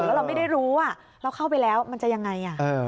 แล้วเราไม่ได้รู้ว่าเราเข้าไปแล้วมันจะยังไง